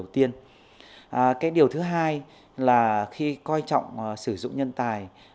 đầu tiên cái điều thứ hai là khi coi trọng sử dụng nhân tài